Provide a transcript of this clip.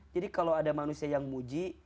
jadi kalau ada manusia yang muji